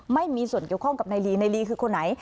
ไม่มีส่วนเกี่ยวข้องกับนายลีนายลีคือคนไหน